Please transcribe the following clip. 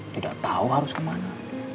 tidak tahu harus kemana